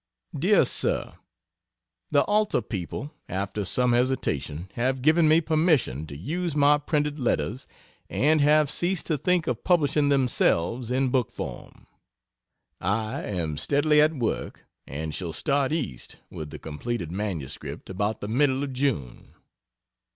Dr. SIR, The Alta people, after some hesitation, have given me permission to use my printed letters, and have ceased to think of publishing them themselves in book form. I am steadily at work, and shall start East with the completed Manuscript, about the middle of June.